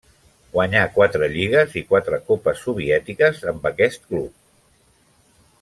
Guanyà quatre lligues i quatre copes soviètiques amb aquest club.